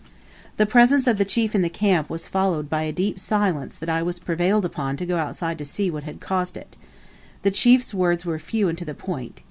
The presence of the chief in the camp was followed by a deep silence that I was prevailed upon to go outside to see what had caused it. The chief's words were few, and to the point.